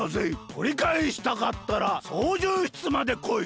とりかえしたかったらそうじゅう室までこい！